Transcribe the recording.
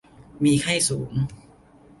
มีไข้สูง